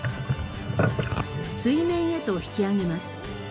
水面へと引き揚げます。